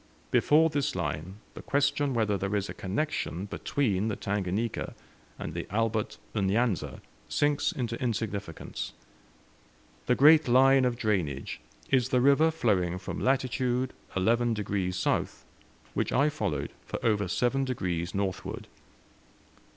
Before this line the question whether there is a connection between the Tanganika and the Albert N'Yanza sinks into insignificance. The great line of drainage is the river flowing from latitude 11 degrees south, which I followed for over seven degrees northward.